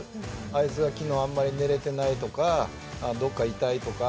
あいつが昨日あまり練れていないとかどこか痛いとか。